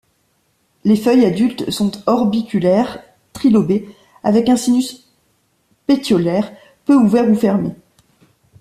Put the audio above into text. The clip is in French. Les feuilles adultes sont orbiculaires, trilobées, avec un sinus pétiolaire peu ouvert ou fermé.